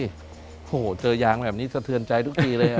โอ้โหเจอยางแบบนี้สะเทือนใจทุกทีเลย